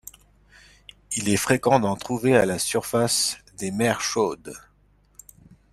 Il est fréquent d'en trouver à la surface des mers chaudes.